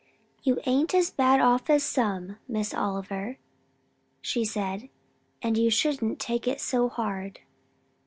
"'You ain't as bad off as some, Miss Oliver,' she said, 'and you shouldn't take it so hard.